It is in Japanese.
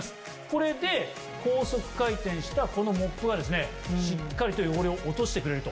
これで高速回転したこのモップがですねしっかりと汚れを落としてくれると。